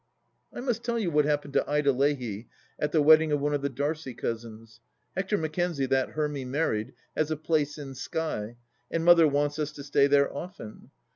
I must tell you what happened to Ida Leahy at the wedding of one of the Darcy cousins. Hector Mackenzie, that Hermy married, has a place in Skye, and Mother wants us to stay there often.